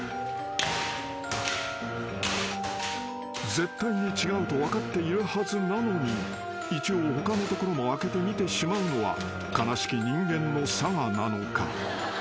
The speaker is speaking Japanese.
［絶対に違うと分かっているはずなのに一応他のところも開けてみてしまうのは悲しき人間のさがなのか？］